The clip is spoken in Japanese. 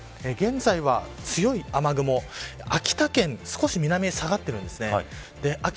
現在は強い雨雲、秋田県少し南に下がっているんです。